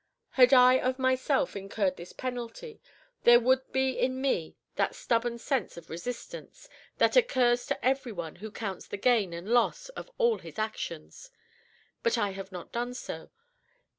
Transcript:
Had I of myself incurred this penalty, there would be in me that stubborn sense of resistance that occurs to every one who counts the gain and loss of all his actions; but I have not done so!